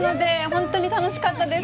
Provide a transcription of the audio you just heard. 本当に楽しかったです。